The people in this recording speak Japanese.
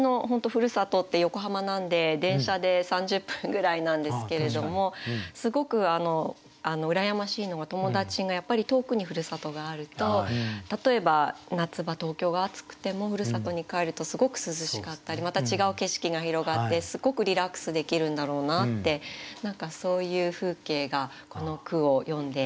ふるさとって横浜なんで電車で３０分ぐらいなんですけれどもすごく羨ましいのが友達がやっぱり遠くにふるさとがあると例えば夏場東京が暑くてもふるさとに帰るとすごく涼しかったりまた違う景色が広がってすごくリラックスできるんだろうなって何かそういう風景がこの句を読んで浮かんできますね。